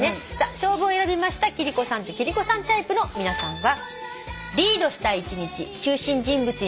「菖蒲」を選びました貴理子さんと貴理子さんタイプの皆さんは。